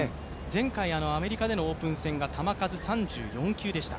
前回アメリカでのオープン戦が３４球でした。